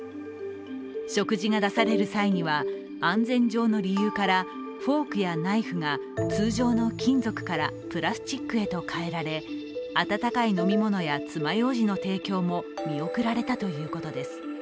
食事が出される際には安全上の理由からフォークやナイフが通常の金属からプラスチックへと変えられ温かい飲み物や爪楊枝の提供も見送られたということです。